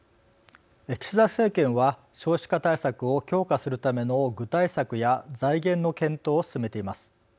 岸田政権は少子化対策を強化するための具体策や財源の検討を進めています。